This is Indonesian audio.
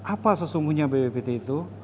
apa sesungguhnya bbbt itu